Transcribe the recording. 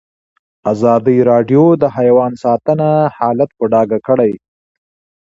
ازادي راډیو د حیوان ساتنه حالت په ډاګه کړی.